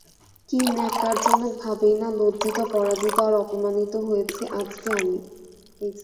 কি ন্যাক্কারজনক ভাবেই না লজ্জিত, পরাজিত আর অপমানিত হয়েছি আজকে আমি।